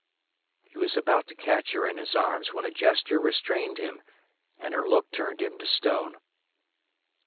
He was about to catch her in his arms when a gesture restrained him, and her look turned him to stone.